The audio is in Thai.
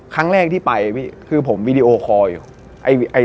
ครั้งแรกที่ไปพี่คือผมวีดีโอคอร์อยู่